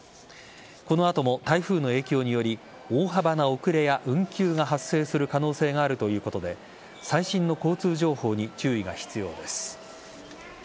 この後も、台風の影響により大幅な遅れや運休が発生する可能性があるということで最新の交通情報に注意が必要です。